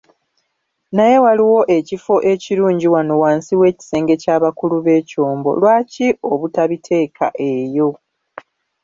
Naye waliwo ekifo ekirungi wano wansi w'ekisenge ky'abakulu b'ekyombo, lwaki obutabiteeka eyo?